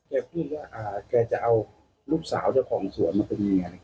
พูดว่าแกจะเอาลูกสาวเจ้าของสวนมาเป็นเมีย